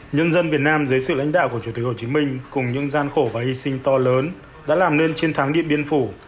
nhân dân việt nam dưới sự lãnh đạo của chủ tịch hồ chí minh cùng những gian khổ và hy sinh to lớn đã làm nên chiến thắng điện biên phủ